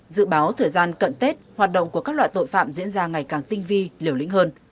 dự báo thời gian cận tết hoạt động của các loại tội phạm diễn ra ngày càng tinh vi liều lĩnh hơn